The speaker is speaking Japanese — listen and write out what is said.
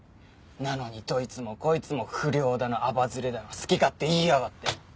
なのにどいつもこいつも不良だのアバズレだの好き勝手言いやがって！